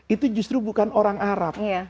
itu justru bukan orang arab